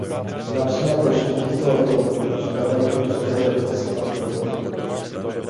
Značné počty těchto letounů zůstávají u ruského letectva v provozu.